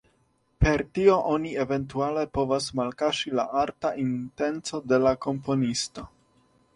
Per tio oni eventuale povas malkaŝi la arta intenco de la komponisto.